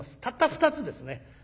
たった２つですね。